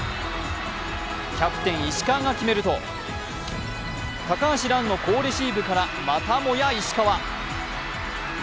キャプテン・石川が決めると、高橋藍の好レシーブから、またもや石川。